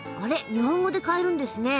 日本語で買えるんですね。